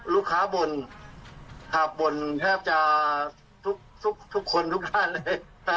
ลูกค้าบ่นครับบ่นแทบจะทุกคนทุกด้านเลย